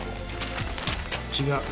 違う。